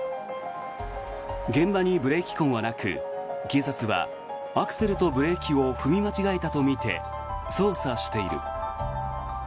現場にブレーキ痕はなく警察はアクセルとブレーキを踏み間違えたとみて捜査している。